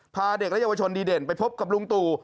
พาเด็กและเยาวชนดีเด่นไปพบกับลุงตู่